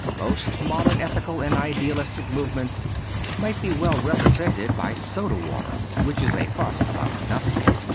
Most modern ethical and idealistic movements might be well represented by soda water — which is a fuss about nothing.